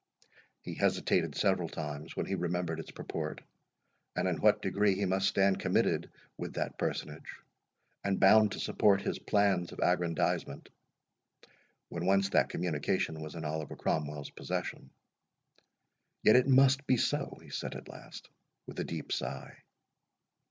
He hesitated several times, when he remembered its purport, and in what degree he must stand committed with that personage, and bound to support his plans of aggrandizement, when once that communication was in Oliver Cromwell's possession. "Yet it must be so," he said at last, with a deep sigh.